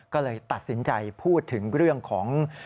ก็เลยตัดสินใจพูดถึงเรื่องของ